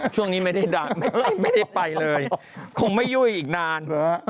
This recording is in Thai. ช่วงนี้ไม่ได้ไปเลยคงไม่ยุ่ยอีกนาน